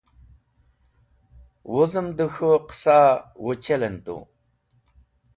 Wuzẽm dẽ k̃hũ qẽsaẽ wẽchelẽn tu.